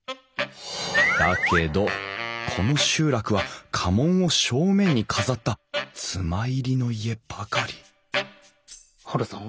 だけどこの集落は家紋を正面に飾った妻入りの家ばかりハルさん？